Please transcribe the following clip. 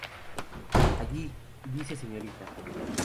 Allí, dice Sta.